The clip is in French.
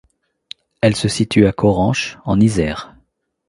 Elle se situe à Choranche en Isère.